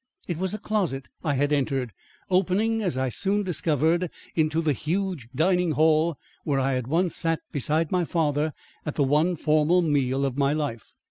It was a closet I had entered, opening, as I soon discovered, into the huge dining hall where I had once sat beside my father at the one formal meal of my life.